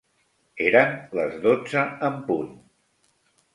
Eren les dotze en punt.